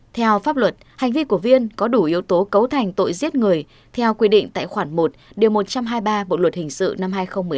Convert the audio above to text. theo pháp luật hành vi của viên có đủ yếu tố cấu thành tội giết người theo quy định tại khoản một một trăm hai mươi ba bộ luật hình sự năm hai nghìn một mươi năm